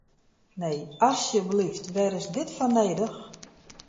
Nee, asjeblyft, wêr is dit foar nedich?